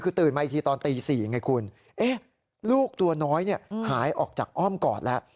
คือตื่นมาอีกทีตอนตี๔ไงคุณลูกตัวน้อยหายออกจากอ้อมกอดแล้ว